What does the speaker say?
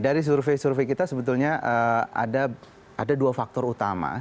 dari survey survey kita sebetulnya ada dua faktor utama